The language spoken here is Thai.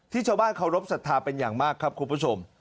ชาวบ้านเคารพสัทธาเป็นอย่างมากครับคุณผู้ชม